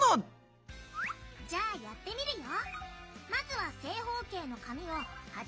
じゃあやってみるよ！